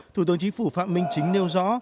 thủ tướng chính phủ phạm minh chính nêu rõ